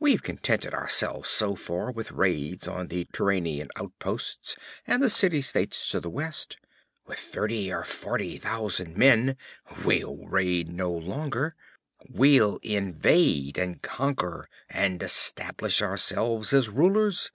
We've contented ourselves, so far, with raids on the Turanian outposts and the city states to the west. With thirty or forty thousand men we'll raid no longer. We'll invade and conquer and establish ourselves as rulers.